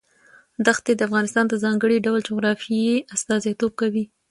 دښتې د افغانستان د ځانګړي ډول جغرافیه استازیتوب کوي.